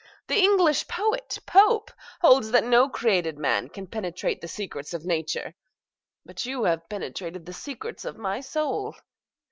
The English poet, Pope, holds that no created man can penetrate the secrets of nature; but you have penetrated the secrets of my soul.